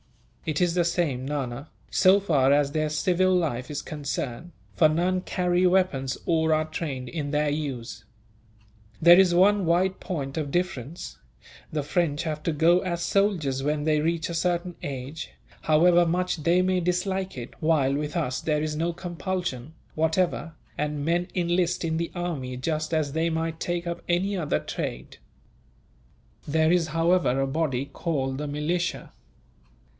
"It is the same, Nana, so far as their civil life is concerned; for none carry weapons or are trained in their use. There is one wide point of difference. The French have to go as soldiers when they reach a certain age, however much they may dislike it; while with us there is no compulsion, whatever, and men enlist in the army just as they might take up any other trade. There is, however, a body called the militia.